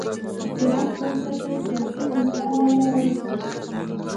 پراخ بنسټه سیاسي بنسټونه یې وزېږول.